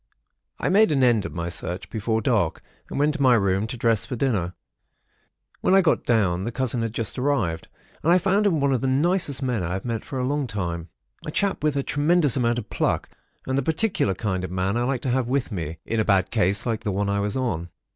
"I made an end of my search, before dark, and went to my room to dress for dinner. When I got down, the cousin had just arrived; and I found him one of the nicest men I have met for a long time. A chap with a tremendous amount of pluck, and the particular kind of man I like to have with me, in a bad case like the one I was on.